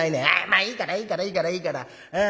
まあいいからいいからいいからいいから。